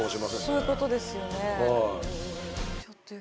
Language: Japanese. そういうことですよね。